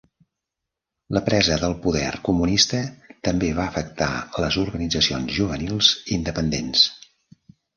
La presa del poder comunista també va afectar les organitzacions juvenils independents.